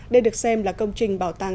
đây được xem là công trình bảo tàng